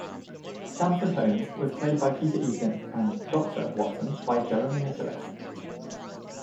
Stamford Holmes was played by Peter Egan and "Doctor" Watson by Jeremy Nicholas.